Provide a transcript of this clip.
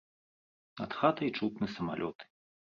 Над хатай чутны самалёты.